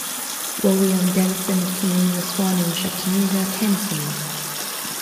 William Denison McKinney was born in Chattanooga, Tennessee.